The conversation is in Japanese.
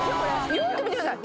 よーく見てください。